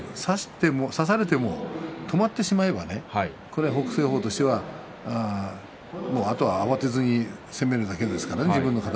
差されても止まってしまえば北青鵬としてはあとは慌てずに攻めるだけです。